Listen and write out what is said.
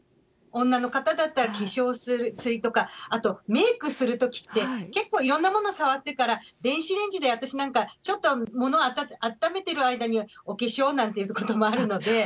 女の方だったら化粧水とか、あと、メークするときって、結構、いろんなもの触ってから、電子レンジで私なんかは、ちょっと物をあっためてる間にお化粧なんてこともあるので。